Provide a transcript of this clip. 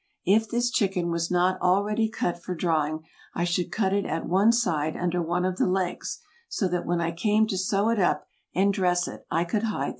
If this chicken was not already cut for drawing I should cut it at one side under one of the legs, so that when I came to sew it up and dress it I could hide the cut.